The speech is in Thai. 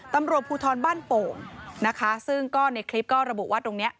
ตำรวจภูทรบ้านโป่งนะคะซึ่งก็ในคลิปก็ระบุว่าตรงเนี้ย